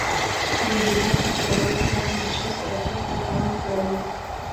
روهیله پښتنو له احمدشاه سره پټ تفاهم کړی وو.